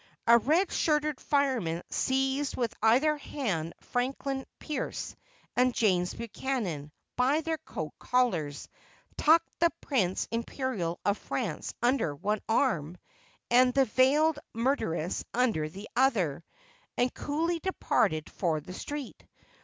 A red shirted fireman seized with either hand Franklin Pierce and James Buchanan by their coat collars, tucked the Prince Imperial of France under one arm, and the Veiled Murderess under the other, and coolly departed for the street.